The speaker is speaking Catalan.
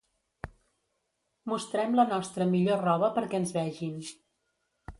Mostrem la nostra millor roba perquè ens vegin.